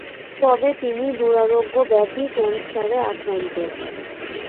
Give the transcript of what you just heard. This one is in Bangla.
তবে তিনি দুরারোগ্য ব্যাধি ক্যানসারে আক্রান্ত।